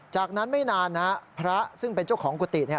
จากนั้นไม่นานพระซึ่งเป็นเจ้าของกุฏิ